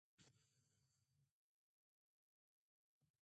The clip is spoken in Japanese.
身体や気力などが、しだいにくずれおとろえること。